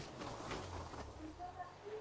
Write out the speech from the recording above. هر څوک څه غواړي، دا پوهه مهمه ده.